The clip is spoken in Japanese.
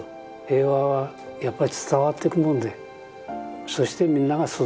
平和はやっぱり伝わってくもんでそしてみんなが育てていくもんだ。